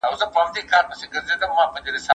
د خپل لاس ګټه ډېره خوږه وي.